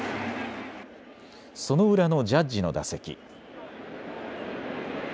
その裏のジャッジの打席。